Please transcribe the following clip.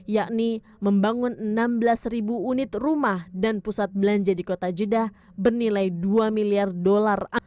yakni membangun enam belas ribu unit rumah dan pusat belanja di kota jeddah bernilai dua miliar dolar